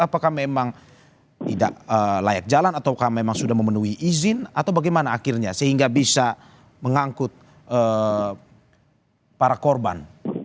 apakah memang tidak layak jalan ataukah memang sudah memenuhi izin atau bagaimana akhirnya sehingga bisa mengangkut para korban